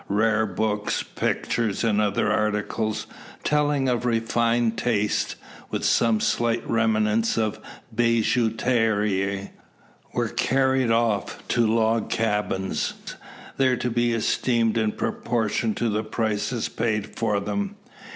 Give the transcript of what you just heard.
Rare books, pictures, and other articles, telling of refined taste, with some slight remnants of bijouterie, were carried off to log cabins, there to be esteemed in proportion to the prices paid for them.